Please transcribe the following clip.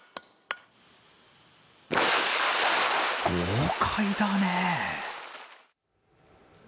豪快だね。